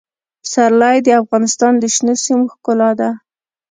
پسرلی د افغانستان د شنو سیمو ښکلا ده.